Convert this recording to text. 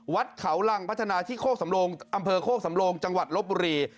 วัดเขารังพัฒนาที่โคกสำโลงอำเภอโคกสำโลงจังหวัดลบบุรี